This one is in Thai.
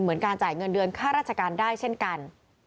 เหมือนการจ่ายเงินเดือนค่าราชการได้เช่นกัน